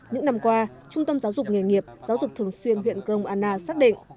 những năm qua trung tâm giáo dục nghề nghiệp giáo dục thường xuyên huyện grong anna xác định